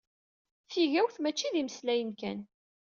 Tigawt mačči d imeslayen kan.